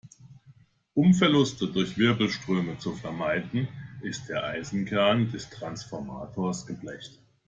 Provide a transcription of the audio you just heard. Um Verluste durch Wirbelströme zu vermeiden, ist der Eisenkern des Transformators geblecht.